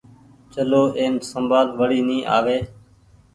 چلو اين سمڀآل وڙي ني آوي۔